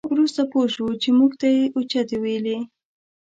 وروسته پوه شوو چې موږ ته یې اوچتې ویلې.